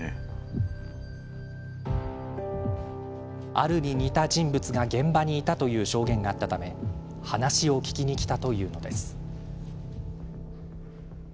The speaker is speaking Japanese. アルに似た人物が現場にいたという証言があったため話を聞きに来たというのです。